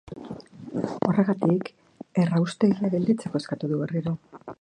Horregatik, erraustegia gelditzeko eskatu du berriro.